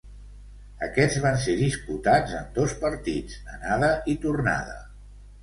Aquests van ser disputats en dos partits, d'anada i tornada.